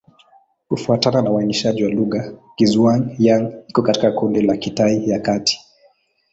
Kufuatana na uainishaji wa lugha, Kizhuang-Yang iko katika kundi la Kitai ya Kati.